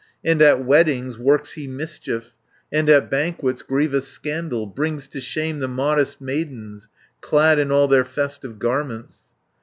And at weddings works he mischief, And at banquets grievous scandal, Brings to shame the modest maidens, Clad in all their festive garments."